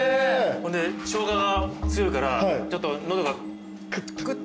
ショウガが強いからちょっと喉がクッて。